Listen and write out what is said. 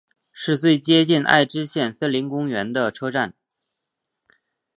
是最接近爱知县森林公园的车站。